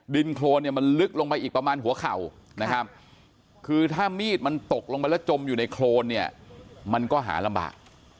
โครนเนี่ยมันลึกลงไปอีกประมาณหัวเข่านะครับคือถ้ามีดมันตกลงไปแล้วจมอยู่ในโครนเนี่ยมันก็หาลำบาก